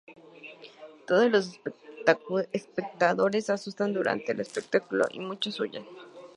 Todos los espectadores se asustan durante el espectáculo y muchos huyen.